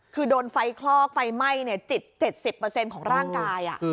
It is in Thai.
คือโดนไฟคลอกไฟไหม้๗๐ของร่างกาย